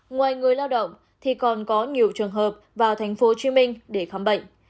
ngoài người lao động thì còn có nhiều trường hợp vào tp hcm để khám bệnh